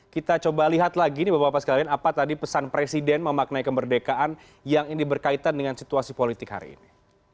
kita coba lihat lagi nih bapak bapak sekalian apa tadi pesan presiden memaknai kemerdekaan yang ini berkaitan dengan situasi politik hari ini